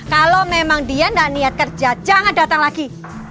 kalau memang dia tidak niat kerja jangan datang lagi